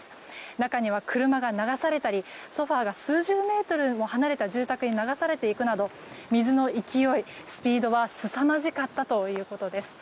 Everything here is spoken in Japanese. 中には車が流されたりソファが数十メートル離れた住宅に流されていくなど水の勢いスピードはすさまじかったということです。